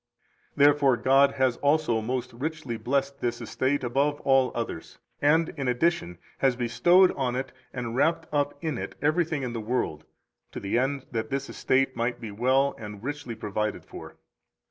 208 Therefore God has also most richly blessed this estate above all others, and, in addition, has bestowed on it and wrapped up in it everything in the world, to the end that this estate might be well and richly provided for.